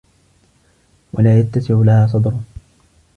وَلَا يَتَّسِعُ لَهَا صَدْرٌ